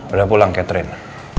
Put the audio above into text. udah pulang catherine